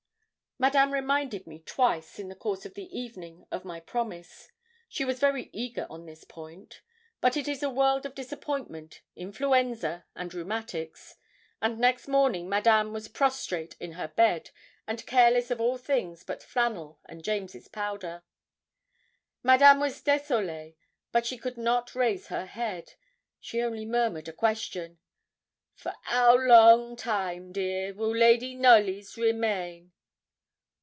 Madame reminded me twice, in the course of the evening, of my promise. She was very eager on this point. But it is a world of disappointment, influenza, and rheumatics; and next morning Madame was prostrate in her bed, and careless of all things but flannel and James's powder. Madame was désolée; but she could not raise her head. She only murmured a question. 'For 'ow long time, dear, will Lady Knollys remain?'